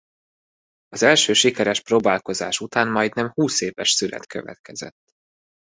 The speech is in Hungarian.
Az első sikeres próbálkozás után majdnem húszéves szünet következett.